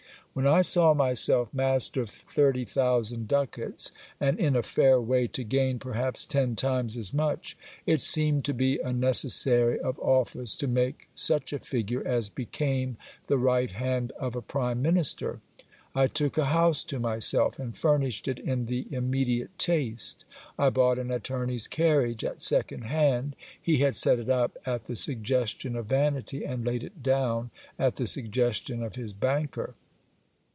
When I saw myself master of thirty thousand ducats, and in a fair way to gain perhaps ten times as much, it seemed to be a necessary of office to make such a figure as became the right hand of a prime minister. I took a house to myself, and furnished it in the immediate taste. I bought an attorney's carriage at second hand : he had set it up at the suggestion of vanity, and laid it down at the suggestion of his banker.